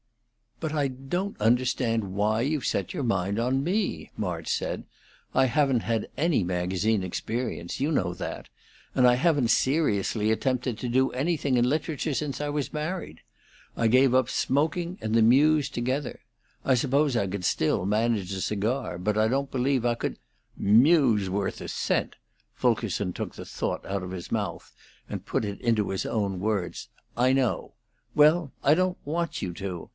"But I don't understand why you've set your mind on me," March said. "I haven't had any magazine experience, you know that; and I haven't seriously attempted to do anything in literature since I was married. I gave up smoking and the Muse together. I suppose I could still manage a cigar, but I don't believe I could " "Muse worth a cent." Fulkerson took the thought out of his mouth and put it into his own words. "I know. Well, I don't want you to.